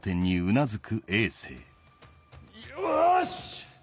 よし！